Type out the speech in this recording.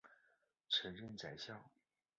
曾任宰相。